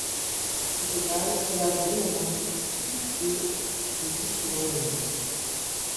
Au total, Paula Abdul a vendu plus de de disques dans le monde.